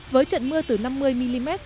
với trận mưa từ năm mươi mm